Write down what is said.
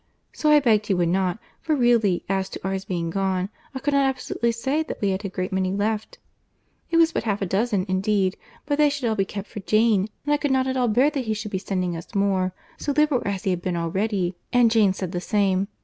So I begged he would not—for really as to ours being gone, I could not absolutely say that we had a great many left—it was but half a dozen indeed; but they should be all kept for Jane; and I could not at all bear that he should be sending us more, so liberal as he had been already; and Jane said the same.